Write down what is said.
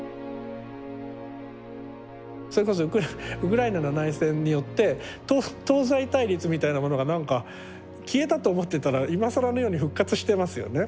それこそウクライナの内戦によって東西対立みたいなものが何か消えたと思ってたら今更のように復活してますよね。